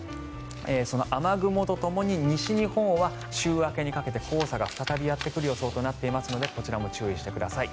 その雨雲とともに西日本は週明けにかけて黄砂が再びやってくる予想となっていますのでこちらも注意してください。